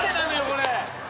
これ！